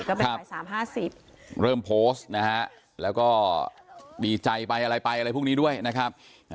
ก็เป็นบ่ายสามห้าสิบเริ่มโพสต์นะฮะแล้วก็ดีใจไปอะไรไปอะไรพรุ่งนี้ด้วยนะครับ